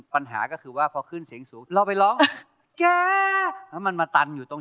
ปัญหาก็คือว่าพอขึ้นเสียงสูงเราไปร้องแก้แล้วมันมาตันอยู่ตรง